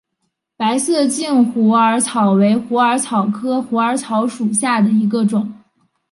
白毛茎虎耳草为虎耳草科虎耳草属下的一个种。